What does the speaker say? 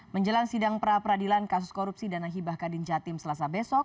menjelang sidang pra peradilan kasus korupsi dana hibah kadin jatim selasa besok